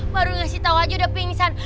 baru ngasih tau aja udah pingsan